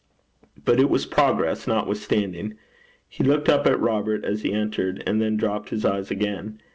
But it was progress, notwithstanding. He looked up at Robert as he entered, and then dropped his eyes again.